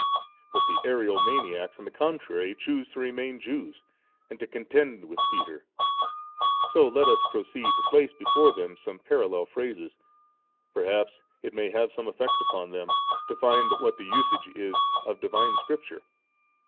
But, the Ario maniacs on the contranr choose to remain Jews, and to contend with Peter ; so let us proceed to place before them some parallel phrases; perhaps it may have some effect upon them, to find what the usage is of divine Scripture.